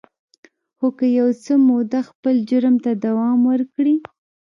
خو که يو څه موده خپل جرم ته دوام ورکړي.